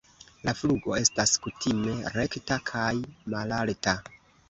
La flugo estas kutime rekta kaj malalta.